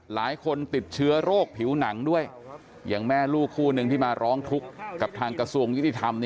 หลายคนติดเชื้อโรคผิวหนังด้วยอย่างแม่ลูกคู่หนึ่งที่มาร้องทุกข์กับทางกระทรวงยุติธรรม